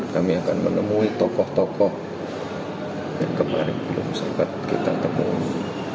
kami akan menemui tokoh tokoh yang kemarin belum sempat kita temui